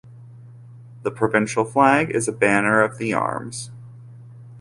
The provincial flag is a banner of the arms.